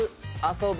遊ぶ。